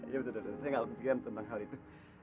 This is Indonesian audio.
ya betul saya nggak lupa tentang hal itu